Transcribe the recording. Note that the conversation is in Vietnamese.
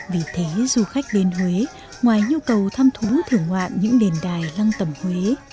vì thế du khách đến huế ngoài nhu cầu thăm thú thử ngoạn những đền đài lăng tẩm huế